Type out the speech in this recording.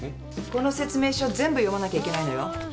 この説明書全部読まなきゃいけないのよ。